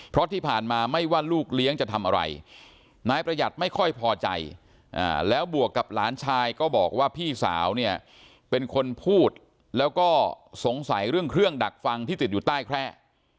เพราะที่ผ่านมาไม่ว่าลูกเลี้ยงจะทำอะไรนายประหยัดไม่ค่อยพอใจแล้วบวกกับหลานชายก็บอกว่าพี่สาวเนี่ยเป็นคนพูดแล้วก็สงสัยเรื่องเครื่องดักฟังที่ติดอยู่ใต้แคร่